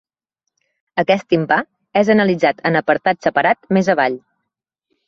Aquest timpà és analitzat en apartat separat més avall.